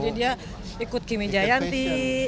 jadi dia ikut kimi jayanti